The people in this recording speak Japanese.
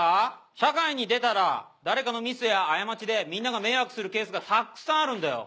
社会に出たら誰かのミスや過ちでみんなが迷惑するケースがたくさんあるんだよ